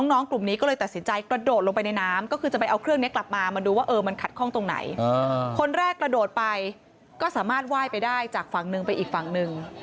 น้องกลุ่มนี้ก็เลยตัดสินใจกระโดดลงไปในน้ำก็คือจะไปเอาเครื่องนี้กลับมามาดูว่ามันขัดข้องตรงไหนคนแรกกระโดดไปก็สามารถไหว้ไปได้จากฝั่งหนึ่งไปอีกฝั่งหนึ่ง